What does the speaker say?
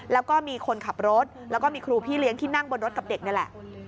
แล้วก็มีคนขับรถแล้วก็มีครูพี่เลี้ยงที่นั่งบนรถกับเด็กนี่แหละ